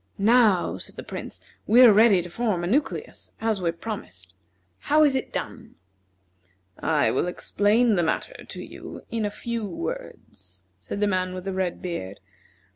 "Now," said the Prince, "we are ready to form a nucleus, as we promised. How is it done?" "I will explain the matter to you in a few words," said the man with the red beard.